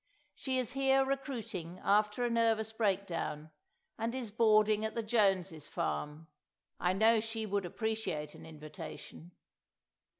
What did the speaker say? She is here recruiting after a nervous breakdown; and is boarding at the Jones's farm—I know she would appreciate an invitation."